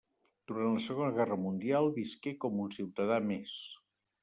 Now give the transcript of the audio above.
Durant la Segona Guerra Mundial visqué com un ciutadà més.